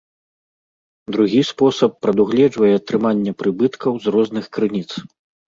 Другі спосаб прадугледжвае атрыманне прыбыткаў з розных крыніц.